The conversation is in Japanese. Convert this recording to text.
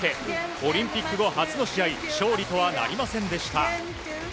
オリンピック後初の試合勝利とはなりませんでした。